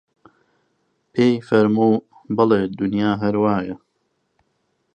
پێی فەرموو: بەڵێ دونیا هەر وایە